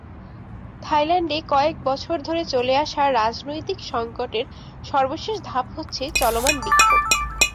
থাইল্যান্ডে কয়েক বছর ধরে চলে আসা রাজনৈতিক সংকটের সর্বশেষ ধাপ হচ্ছে চলমান বিক্ষোভ।